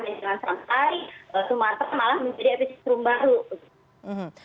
dan dengan selangkai sumatera malah menjadi abis rum baru